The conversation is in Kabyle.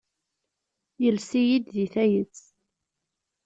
Yelles-iyi-d deg tayet.